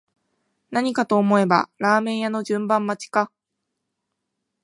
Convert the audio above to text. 何かと思えばラーメン屋の順番待ちか